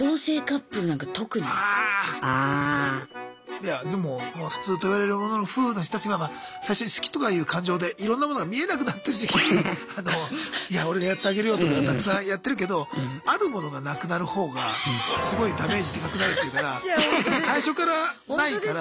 いやでも普通といわれるものの夫婦の人たちは最初に好きとかいう感情でいろんなものが見えなくなってる時期にいや俺がやってあげるよとかたくさんやってるけどあるものがなくなる方がすごいダメージでかくなるっていうから最初からないから。